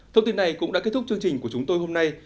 thông tin này cũng đã kết thúc chương trình của chúng tôi hôm nay